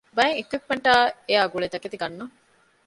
ބައެއް އިކްއިޕްމަންޓާއި އެއާގުޅޭ ތަކެތި ގަންނަން